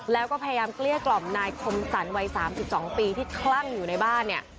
แล้วก็พยายามเกลี้ยกล่อมนายคมสรรวัย๓๒ปีที่คลั่งอยู่ในบ้านเนี่ย